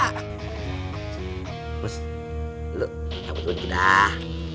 terus lu kamu cuma gitu dah